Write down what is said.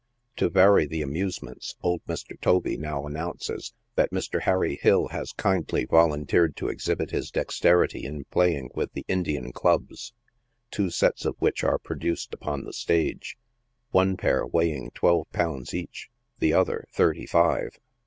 To vary the amusements, old Mr. Tovee now announces that Mr. Harry Hill has kindly vol unteered to exhibit his dexterity in playing with the Indian clubs, two sets of which are produced upon the stage, one pair weighing twelve pounds each, the other thirty five.